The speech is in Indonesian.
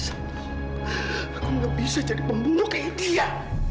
aku gak bisa jadi pembunuh kayak dia